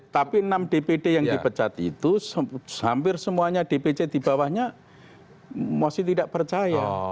tapi enam dpd yang dipecat itu hampir semuanya dpc di bawahnya masih tidak percaya